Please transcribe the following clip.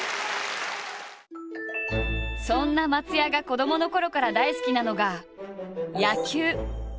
そんな松也が子どものころから大好きなのが野球。